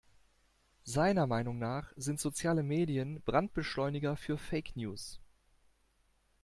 Seiner Meinung nach sind soziale Medien Brandbeschleuniger für Fake-News.